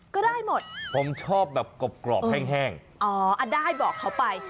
ก็ได้หมดผมชอบแบบกรอบกรอบแห้งอ๋ออ่ะได้บอกเขาไป